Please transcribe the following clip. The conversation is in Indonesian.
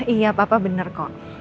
iya papa bener kok